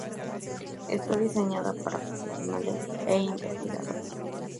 Está diseñada para profesionales e investigadores.